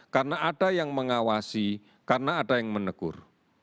karena ada yang mengawasi karena ada yang menegur